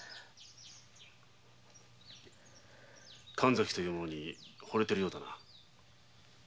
神崎という者に惚れてるようだな。